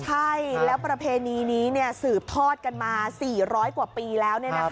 ใช่แล้วประเพณีนี้สืบทอดกันมา๔๐๐กว่าปีแล้ว